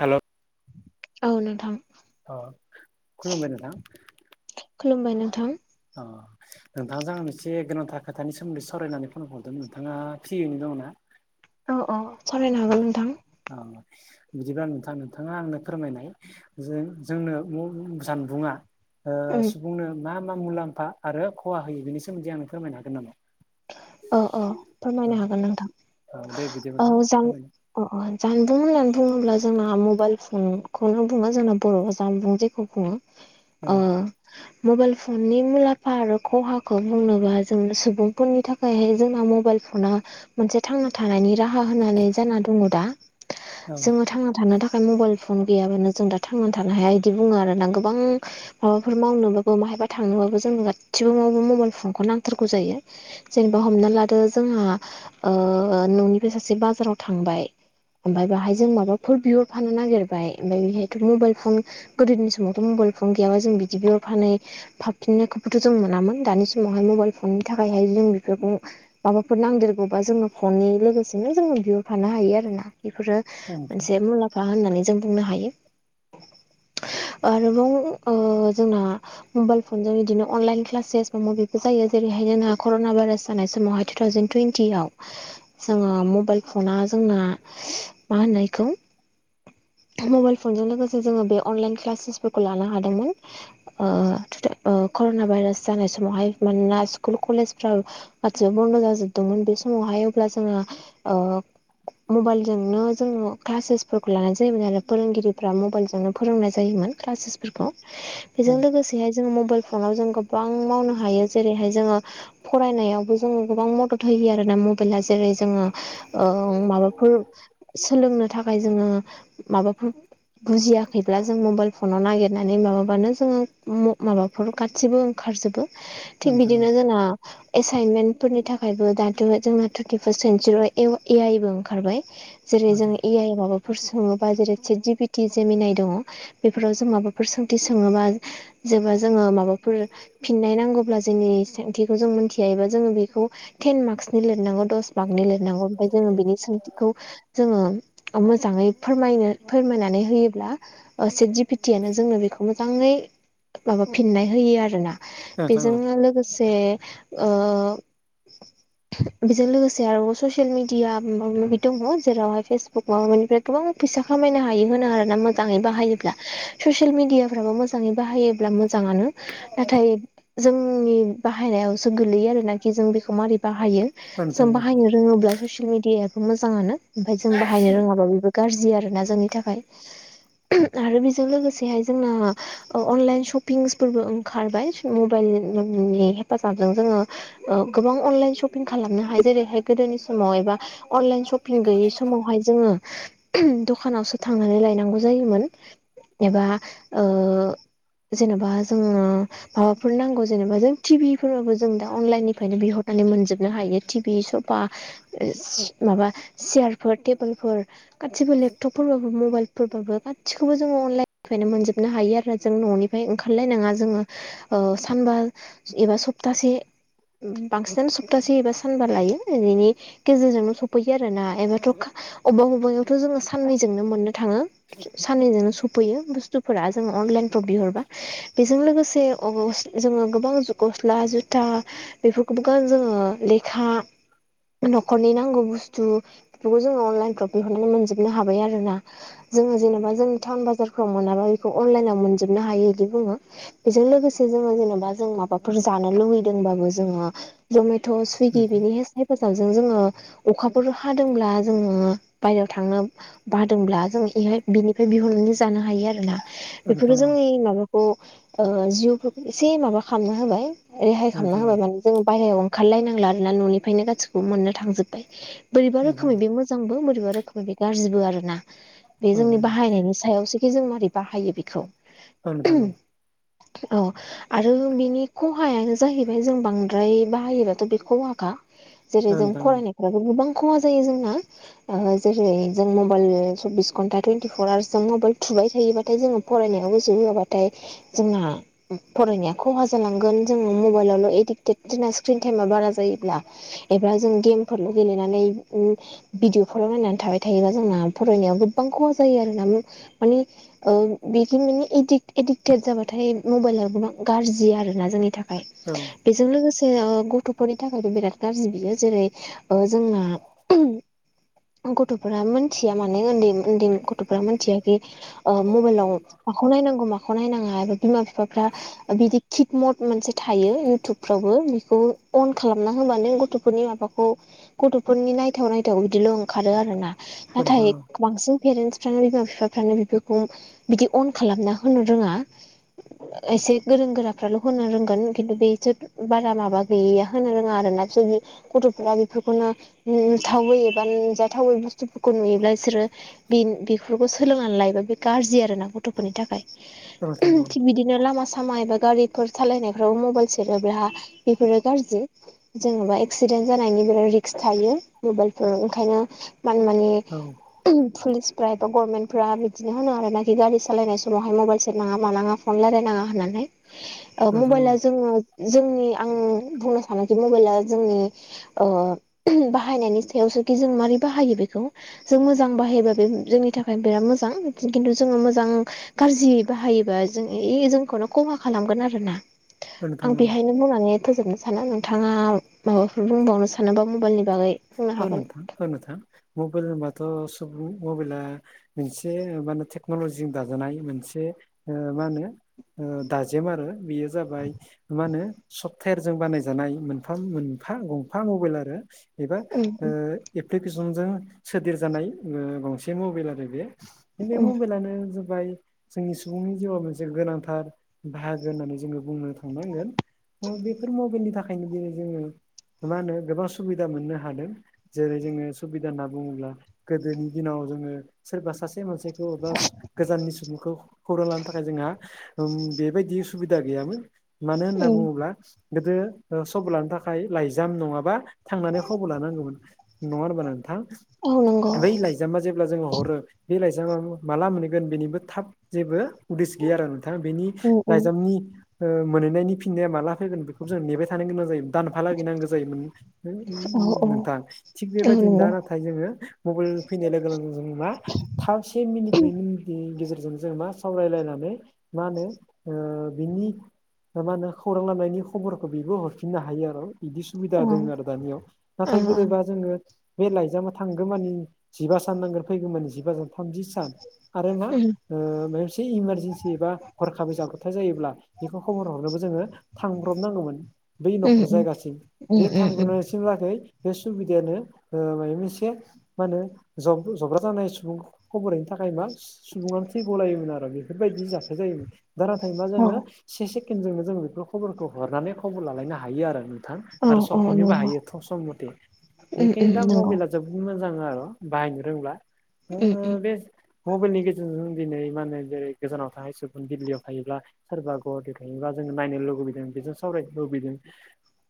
हेल' औ नोंथां अ खुलुमबाय नोंथां खुलुमबाय नोंथां अ नोंथांजों आं मोनसे गोनांथा खोथानि सोमोन्दै सावरायनोहोननानै फन हरदों नोंथाङा फ्रियैनो दङ ना औ औ सावरायनो हागोन नोंथां औ बिदिब्ला नोंथां नोंथाङा आंनो फोरमायनाय जों जोंनो जानबुङा उम सुबुंनो मा मा मुलाम्फा आरो खहा होयो बेनि सोमोन्दै आंनो फोरमायनो हागोन नामा औ औ औ फोरमायनो हागोन औ दे बिदि नोंथां औ नोंथां जां फोरमायनो अ अ जानबुं होननानै बुङोब्ला जोंना मबाइल फनखौनो बुङो जोंना बर' जानबुं जेखौ बुङो [inaudible] मबाइल फननि मुलाम्फा आरो खहाखौ बुंनोबा जों सुबुं फोननि थाखायहाय जोंना मबाइल फना मोनसे थांना थानायनि राहा होननानै जाना दङ दा औ जोङो थांना थानो थाखाय मबाइल फन गैयाबानो जों दा थांनानै थानो हाया बिदि बुङो आरोना गोबां माबाफोर मावनोबाबो बाहायबा थांनोबाबो जोंनो गासैबो मबाइल फनखौ नांथारगौ जायो जेनेबा हमना लादो जोंहा न'निफ्राय सासे बाजाराव थांबाय ओमफाय बाहाय जों माबाफोर बिहरफानो नागिरबाय ओमफ्राय बेहायथ' मबाइल फन गोदोनि समावथ' मबाइल फन गैयाबा जों बिदि बि फानै हाबफिननायखौबोथ' जों मोनामोन दानि समावहाय मबाइल फननि थाखायहाय जों बेफोरखौ माबाफोर नांदेरगौबा जोङो फननि लोगोसेनो जोङो बिहरफानो हायो आरो ना बेफोरो औ मोनसे मुलाम्फा होननानै जों बुंनो हायो आरोबाव जोंना मबाइल फन जों बिदिनो अनलाइन क्लासेस मा मबे जायो जे ओरहायनो नोंहा कर'ना भाइरास जानाय समावहाय टु थावजेन टुइनटियाव जोङो मबाइल फना जोंना मा होनो इखौ मबाइल फनजों लोगोसे जोङो बे अनलाइन क्लासेसफोरखौ लानो हादोंमोन कर'ना भाइरास जानाय समावहाय मानोना स्कुल कलेजफ्राव गासिबो बन्द' जाजोबदोंमोन बे समावहाय अब्ला जोंहा मबाइलजोंनो जोङो क्लासेसफोरखौ लानाय जायोमोन आरो फोरोंगिरिफ्रा मबाइलजोंनो फोरोंनाय जायोमोन क्लासेसफोरखौ [inaudible] बेजों लोगोसेहाय जोंङो मबाइल फनाव जों गोबां मावनो हायो जेरैहाय जोङो फरायनायावबो जों गोबां मदद होयो आरो ना मब बेला जेरै जोङो माबाफोर सोलोंनो थाखाय जोङो माबाफोर बुजियाखैब्ला जों मबाइल फनाव नागिरनानै माबाबानो जोङो माबा बेफोर गासैबो ओंखारजोबो नोंथां ना एसाइनमेन्टफोरनि थाखायबो दाथ' जोंना थटुारटिफार्स्ट सेन्सुरियाव ए आइबो ओंखारबाय जेरै नोंथां जोंङ ए आइ माबा फोर सोङोबा जेरै सिद जि पिटि जेमिनाय दङ बेफोराव जों माबाफोर सोंथि सोङोबा जेनेबा जोङो माबाफोर फिननाय नांगौब्ला जोंनि सथिखौ जों मिनथिया एबा जोङो बेखौ टेन मार्कसनि लिरनांगौ दस मार्कनि लिरनांगौ ओमफ्राय जोङो बेनि सोंथिखौ जोङो मोजाङै फोरनो फोरमायनानै होयोब्ला फेथियनो जोङो बेखौ मोजाङै माबा फिननाय होयो आरो ना नोंथां बेजों औ लोगोसे से ओ बेजों लोगोसे आरोव ससियेल मिडिया माबा माबि दङ जेरावहाय फेसबुक माबानिफ्राय गोबां फैसा खामायनो हायो होनो आरोना मोजाङै बाहायोब्ला ससियेल मिडियाफ्राबो मोजां मोजाङै बाहायोब्ला मोजाङानो नाथाय जोंनि बाहायनायावसो गोलैयो आरो नाखि जों बेखौ मारै बाहायो जों नोंथां औ बाहायनो रोङोब्ला ससियेल मिडियाबो मोजाङानो ओमफ्राय जों बाहायनो रोङाबा बेबो गाज्रि आरोना जोंनि थाखाय आरो बेजों लोगोसेहाय जोंना अनलाइन सपिंसफोरबो ओंखारबाय मबाइल [inaudible] नि हेफाजाबजों जोङो ओ गोबां अनलाइन सपिं खालामनो हायो जेरैहाय गोदोनि समाव एबा अनलाइन सप पिं गैयि समावहाय जोङो दखानावसो थांनानै लायनांगौ जायोमोन एबा ओ जेनेबा जोङो माबाफोर नांगौ जेनेबा जों टिभिफोराबो जों दा अनलाइननिफ्रायनो बिहरनानै मोनजोबनो हायो टिभि सफा सि माबा चेयारफोर टेबोलफोर गासिबो लेपटपफोरबाबो मबाइल फोरबाबो गासिखौबो जोङो अनलाइननिफ्रायनो मोनजोबनो हायो आरो जों न'निफ्राय ओंखारलायनाङा जोङो ओ सानबा एबा सप्तासे बांसिनानो सप्तासे एबा सानबा लायो औरैनि गेजेरजोंनो सफैयो आरो ना एबाथ' अबेबा अबेबायावथ' जोङो साननैजोंनो मोनो थाङो साननैजोंनो सफ फैयो बुस्थुफोरा जोङो अनलाइनफ्राव बिहरबा बेजों लोगोसे अबावबा जोङो गोबां गस्ला जुथा बेफोरखौबो गान जोङो लेखा न'खरनि नांगौ बुस्थु बेफोरखौ जोङो अनलाइनफ्राव बिहरनानै मोनजोबनो हाबाय आरो ना जोङो जेनेबा जोंनि टाउन बाजारफोराव मोनाबा बेखौ अनलाइनाव मोनजोबनो हायो बिदि बुङो बेजों लोगोसे जोङो जेनेबा जों माबा फोर जानो लुबैदोंबाबो जोङो जमेट' सुइगि नोंथां बेनि गे हेफाजाबजों जोङो अखाफोर हादोंब्ला जोङो बायहेरायाव थांनो बादोंब्ला जों ऐहाय बिनिफ्राय बिहरनानै जानो हायो आरो ना नोंथां बेफोरो औ जोंनि माबाखौ ओ जिउफोरखौ एसे माबा खालामना होबाय रेहाय खालामना नोंथां औ होबाय माने जों बाहेरायाव ओंखारलायनांला आरोना न'निफ्रायनो गासिबखौबो मोननो थांजोबबाय बोरैबा नोंथां रोखोमै बे मोजांबो बोरैबा रोखोमै बे गाज्रिबो आरो ना बे औ जोंनि बाहायनायनि सायावसो जों मारै बाहायो बेखौ ओ नोंथां औ औ आरो जों बिनि खहायानो जाहैबाय जों बांद्राय बाहायोबाथ' बे खहाखा औ जेरै जों नोंथां फरायनाय फ्राबो गोबां खहा जायो जोंना ओ जेरै जों मबाइल सब्बिस घन्टा टुवेन्टिफर आवार्स जों मबाइल थुबाय थायोबाथाय जोङो फरायनायाव गोसो होआबाथाय जोंहा फरायनाया खहा जा जालांगोन जोङो मबाइलावल' एडिक्टेड जोंना स्क्रिन टाइमा बारा जायोब्ला एबा जों गेम फोरल' गेलेनानै उम भिदिअफोराव नायनानै थाबाय थायोबा जोंना फरायनायाव गोबां खहा जायो आरोना मानि ओ बेखि माने एदिक्ट एदिक्टेद जाबाथाय मबाइला गोबां गाज्रि जि आरोना जोंनि थाखाय औ औ बेजों लोगोसे ओ गथ'फोरनि थाखायबो बिराद गाज्रि बियो जेरै ओ जोंना गथ'फोरा मोनथिया माने उन्दै उन्दै गथ' फोरा मिथिया खि ओ मबाइलाव माखौ नायनांगौ माखौ नायनाङा बिमा बिफाफ्रा बिदि किक मट मोनसे थायो इउटुबफ्रावबो बेखौ अन खालामना होबानो गथ'फोरनि माबाखौ गथ'फोरनि नायथाव नायथाव बिदिल' ओंखारो आरोना नोंथां नाथाय औ बांसिन पेरेन्सफ्रानो बिमा बिफाफ्रानो बेफोरखौ बिदि अन खालामना होनो रोङा एसे गोरों गोरा फ्राल' होनो रोंगोन खिन्थु बेसोर बारा माबा गैयिया होनो रोङा आरोना गथ'फ्रा बेफोरखौनो नुथावै एबा नुजाथावै बुस्थुफोरखौ नुयोब्ला बिसोरो बिन-बिफोरखौ सोलोंनानै लायोबा बे गाज्रि आरोना गथ'फोरनि नोंथां थाखाय औ थिग बिदिनो लामा सामा एबा गारि फोर सालायनायफ्राव मबाइल सेरोब्ला बेफोरो गाज्रि जेन'बा एक्सिडेन्ट जानायनि बिराद रिक्स थायो मबाइलफोराव ओंखायनो मान-माने औ [inaudible] पुलिसफ्रा एबा गभरनमेन्टफ्रा बिदिनो होनो आरो ना खि गारि सालायनाय समावहाय मबाइल सेरनाङा मानाङा फन लायराय नाङा होननानै ओ नोंथां औ मबाइला जोङो जोंनि आं बुंनो सानोखि मबाइला जोंनि ओ बाहायनायनि सायावसोखि जों माबारै बाहायो बेखौ जों मोजां बाहायबा बे जोंनि थाखाय बिराद मोजां खिन्थु जोङो मोजां गाज्रि बाहायोबा जों इ जोंखौनो खहा खालामगोन आरो ना आं नोंथां औ बेहायनो बुंनानै फोजोबनो सानो नोंथाङा माबाफोर बुंबावनो सानोबा मबाइल नि औ नोंथां औ नोंथा मबाइल होनबाथ' सुबुं मबाइला मोनसे ओ मा होनो टेक्न'लजिजों दाजानाय मोनसे ओ मा होनो ओ दाजेम आरो बेयो जाबाय मा होनो सफ्टवेरजों बानायजानाय मोनफा मोनफा गंफा मबाइल आरो एबा उम ओ एप्लिकेसनजों सोदेर जानाय गंसे मबाइल आरो बे बे उम मबाइलानो बाय जोंनि सुबुंनि जिउआव मोनसे गोनांथार बाहागो होननानै जोङो बुंनो थांनांगोन त' बेफोर मबाइलनि थाखायनो दिनै जोङो मा होनो गोबां सुबिदा मोननो हादों जेरै जोङो सुबिदा होनना बुङोब्ला गोदोनि दिनाव जोङो सोरबा सासे मानसै खौ एबा स गोजाननि सुबुंखौ खौरां लानो थाखाय जोंङा ओम बेबायदि सुबिदा गैयामोन मानो होनना उम बुङोब्ला गोदो सबर लानो थाखाय लाइजाम नङाबा थांनानै खबर लानांगौमोन नङा होनबा नोंथां औ नोंगौ बै लाइजामा जेब्ला जोङो हरो बे लाइजामा माला मोनैगोन बेनिबो थाब जेबो उदिस गैया आरो नोंथा बेनि उम उम लाइजामनि ओ मोनहैनायनि फिननाया माला फैगोन बेखौबो जों नेबाय थानो गोनां जायो दानफायालागै नांगौ जायोमोन उम औ उम उम औ नोंथां थिग औ बेबायदि दा नंगौ नाथा थाय जोङो मबाइल फैनाय लोगो लोगो जों मा थाम से मिनिट नै मिनिटनि गेजेरजों जों मा सावरायलायनानै मा होनो ओ बिनि दा मा होनो खौरां लनायनि खबरखो बिबो हरफिननो हायो आरो बिदि सुबिदा औ दं आरो दानियाव औ नाथाय औ गोदो जोङो बे लाइजामा थांगो मानि जिबा सान नांगोन फैगौ मानि जिबा सान थामजि सान आरो मा उम ओ मायबा मोनसे इमारजेन्सि एबा हरखाबै जाब्रथाय जायोब्ला बेखौ खबर हरनोबो जोङो थांब्रबनांगौमोन बै उम न'खर उम जायगासिम उम उम उम सिमलागै बे सुबिदायानो मायबा मोनसे मा होनो जब-जब्रा जानाय सुबुंखौ बोरायनो थाखाय मा सुबुङानो थैग' लायोमोन आरो बेफोरबायदि जाथाय जायोमोन दा नाथाय मा औ जोङो से सेकेणडजोंनो जोङो बेफोर खबरखौ हरनानै खबर लालायनो हायो आरो हा औ आरो औ सफैनोबो नंगौ हायो थ सम मथे उम बिखायनो उम दा नंगौ मबाइला जोबोद मोजां आरो बाहायनो रोंला। ओ उम बे मबाइलनि गेजेरजों दिनै मा होनो जेरै गोजानाव थानाय सुबुं दिल्लीयाव थायोब्ला सोरबा गुवाहाटि थायोबा जों नायनो लुबैदों बेजों सावरायनो लुबैदों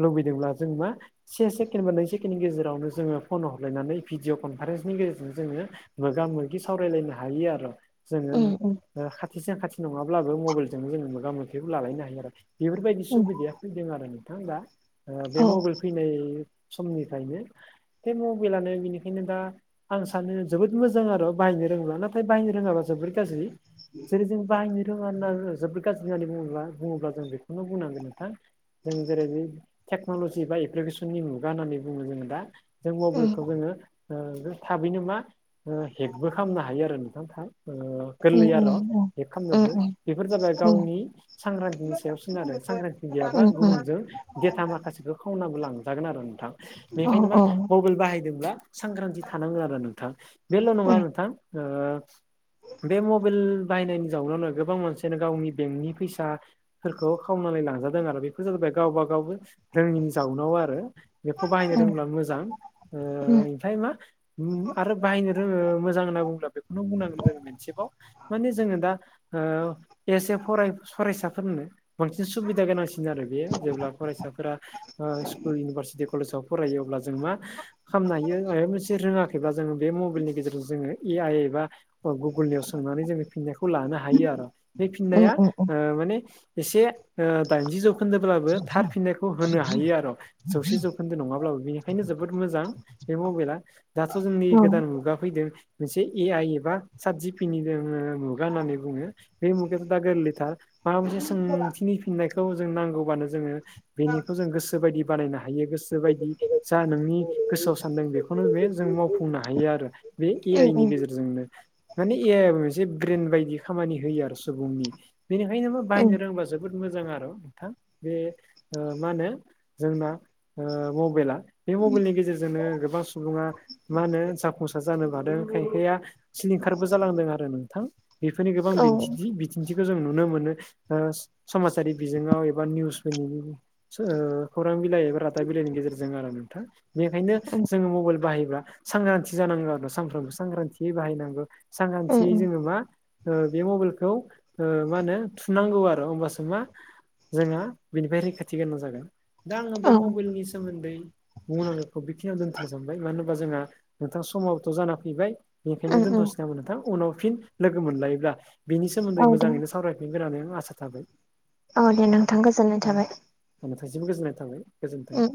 लुबैदोंब्ला जों मा से सेकेण्ड बा नै सेकेण्डनि गेजेरावनो जोङो फन हरलायनानै भिडिअ' कनफारेन्सनि गेजेरजों जोङो मोगा मोगि सावरायलायनो हायो आरो। जोङो उम उम खाथिजों खाथि नङाब्लाबो मबाइलजों जोङो मोगा मोगिखौ लालायनो हायो आरो। बेफोरबायदि उम सुबिदाया फैदों आरो नोंथां दा। ओ बे औ मबाइल फैनाय समनिफ्रायनो बे मबाइलानो बेनिखायनो दा आं सानो जोबोद मोजां आरो बायनो रोङोब्ला नाथाय बाहायनो रोङाब्ला जोबोद गाज्रि। जेरै जों बायनो रोङा [unintelligible] जोबोद गाज्रि होननानै बुङोब्ला बुङोब्ला जों बेखौनो बुंनांगोन नोंथां जों जेरै बे टेक्न'ल'जि बा ए प्लिकेसननि मुगा होननानै बुङो जोङो दा जों उम मबाइलखौ जोङो थाबैनो मा हेकबो खालामनो हायो आरो नोंथां थाब। उम गोरलै आरो उम उम बे उम खालामनोबो। बेफोर जाबाय उम गावनि उम सांग्रांथिनि सायाव सोनारो सांग्रांथि गैयाबा उम उम गुबुनजों डेटा माखासेखौ खावनाबो लांजागोन आरो नोंथां। औ बेखायनो मा औ म बेल बाहायदोंब्ला सांग्रांथि थानांगोन आरो नोंथां। बेल' नङा उम नोंथां ओ बे मबाइल बायनायनि जाउनावनो गोबां मानसियानो गावनि बेंकनि फैसा फोरखौ खावनानै लांजादों आरो। बेफोर जाबाय गावबा गावबो ङिनि जाउनाव आरो। बेखौ बाहायनो उम रोंब्ला मोजां। ओ उम ओमफ्राय मा ओम आरो बाहायनो रोङो मोजां होनना बुंब्ला बेखौनो बुंनांगोन जोङो मोनसेबाव माने जोङो दा ओ एसे फराय फरायसाफोरनो बांसिन सुबिदा गोनांसिन आरो बेयो जेब्ला फरायसाफोरा स्कुल इउनिभारसिटि कलेजाव फरायोब्ला जों मा खालामनो हायो माबा मोनसे रोङाखै बा जोङो बे मबाइलनि गेजेरजों जोङो ए आइ एबा गुगोलनियाव सोंनानै जोङो फिननायखौ लानो हायो आरो। बे उम औ उम औ फिनाया उम ओ इसे दाइनजि जौ खोनदोब्लाबो थारफिननायखौ होनो हायो आरो। जौसे जौखोन्दो नङाब्लाबो बेनिखायनो जोबोद मोजां बे मबाइला। दाथ' जोंनि गोदान मुगा फैदों मोनसे ए आइ एबा साट जि फिनिबो मुगा होननानै बुङो। बे मुगायाथ' दा गोरलैथार माबा मोनसे सोंथिनि फिननायखौ जों नांगौबानो जोङो बेनिखौ जों गोसोबायदि बानायनो हायो, गोसोबायदि जा नोंनि गोसोआव सानदों बेखौनो बे जों मावफुंनो हायो आरो। बे ए आइ नि उम गेजेरजोंनो। माने ए आइआ मोनसे ब्रेन बायदि खामानि होयो आरो सुबुंनि बेनिखायनो मा बायनो रोंबा जोबोद मोजां आरो नोंथां। बे मा होनो जोंना ओ मबाइला बे मबाइलनि गेजेरजोंनो गोबां सुबुङा मा होनो जाफुंसार जानोबो हादों खायफाया सिलिंखारबो जालांदो आरो नोंथां बेफोरनि गोबां बिनथिदि बिथिखौ जों नुनो मोनो ओ समाजारि बिजोङाव एबा निउसफोरनि सो ओ खौरां बिलाइ एबा रादाब बिलाइनि गेजेरजों आरो नोंथां बेनिखायनो जोङो मबाइल बाहायोब्ला सांग्रांथि जानांगौ आरो। सानफ्रोमबो सांग्रांथियै बाहायनांगौ सांग्रांथियै जोङो मा बे मबाइलखौ मा होनो थुनांगौ आरो। होमबासो मा? जोंहा बेनिफ्राय रैखाथि गोनां जागोन। दा आङो बे औ मबाइलनि सोमोन्दै बुंनांगोखौ बेखिनियाव दोन्थनो सानबाय। मानो होनबा जोंहा नोंथां समावथ' जाना फैबाय। बेनिखायनो उम उम दोन्थ'सै नामोन नोंथां? उनाव फिन लोगो मोनलायोब्ला बिनि सोमोन्दै औ दे मोजाङैनो सावराय [unintelligible] आसा थाबाय। औ दे नोंथां गोजोननाय थाबाय। नोंथांसिमबो गोजोननाय थाबाय गोजोन्थों। उम